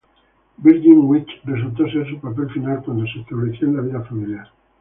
Virgin Witch resultó ser su papel final cuando se estableció en la vida familiar.